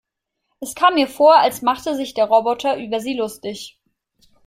Es kam ihr vor, als machte sich der Roboter über sie lustig.